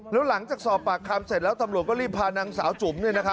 แล้วหลังจากสอบปากคำเสร็จแล้วตำรวจก็รีบพานางสาวจุ๋ม